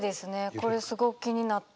これすごく気になって。